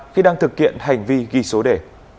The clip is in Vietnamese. khi đang thực hiện hành vi ghi số đề